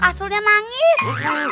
ntar kasurnya mau nangis